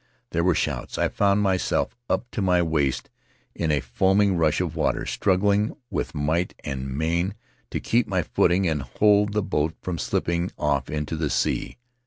There were shouts; I found myself up to my waist in a foaming rush of water, struggling with might and main to keep my footing and to hold the boat from slipping off into the sea.